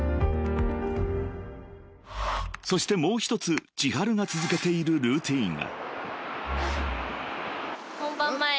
［そしてもう一つｃｈｉｈａｒｕが続けているルーティンが］